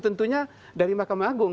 tentunya dari mahkamah agung